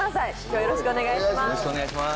よろしくお願いします。